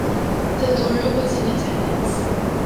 Zadora was in attendance.